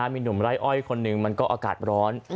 มีหนุ่มไร้อ้อยคนหนึ่งมันก็อากาศร้อน